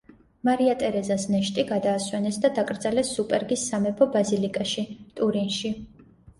მარია ტერეზას ნეშტი გადაასვენეს და დაკრძალეს სუპერგის სამეფო ბაზილიკაში, ტურინში.